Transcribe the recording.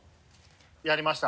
やりました。